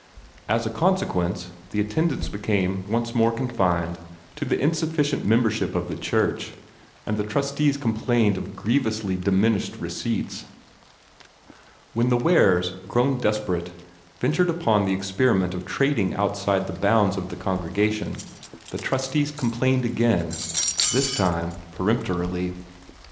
As a consequence, the attendance became once more confined to the insufficient membership of the church, and the trustees complained of grievously diminished receipts. When the Wares, grown desperate, ventured upon the experiment of trading outside the bounds of the congregation, the trustees complained again, this time peremptorily.